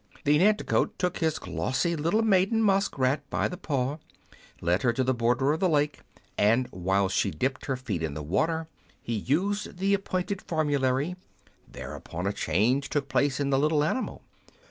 The Nanticoke took his glossy little maiden musk rat by the paw, led her to the border of the lake, and whilst she dipped her feet in the water, he used the appointed formulary ; thereupon a change took place in the little animal.